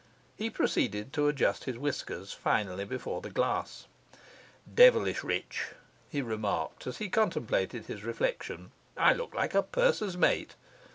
He proceeded to adjust his whiskers finally before the glass. 'Devilish rich,' he remarked, as he contemplated his reflection. 'I look like a purser's mate.